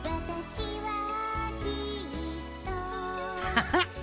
ハハッ。